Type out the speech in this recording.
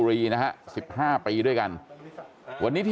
กลับไปลองกลับ